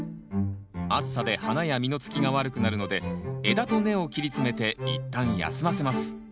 暑さで花や実のつきが悪くなるので枝と根を切り詰めて一旦休ませます